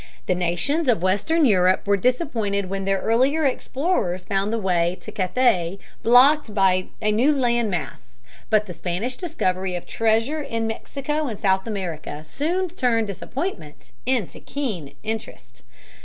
The nations of western Europe were disappointed when their earlier explorers found the way to Cathay blocked by a new land mass, but the Spanish discovery of treasure in Mexico and South America soon turned disappointment into keen interest.